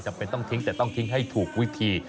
จำเป็นต้องทิ้งแต่ต้องทิ้งให้ถูกวิธี